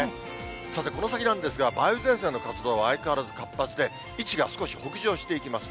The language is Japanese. さて、この先なんですが、梅雨前線の活動は相変わらず活発で、位置が少し北上していきます。